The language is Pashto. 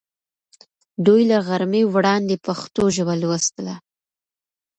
دوی له غرمې وړاندې پښتو ژبه لوستله.